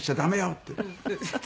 って。